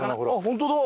ホントだ。